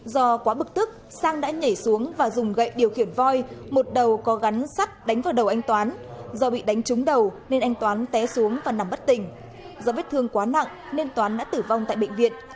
do quá bực tức sang đã nhảy xuống và dùng gậy điều khiển voi một đầu có gắn sắt đánh vào đầu anh toán do bị đánh trúng đầu nên anh toán té xuống và nằm bất tỉnh do vết thương quá nặng nên toán đã tử vong tại bệnh viện